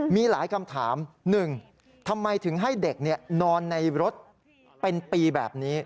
มีหลายคำถาม๑ทำไมถึงให้เด็กนอนในรถเป็นปีแบบนี้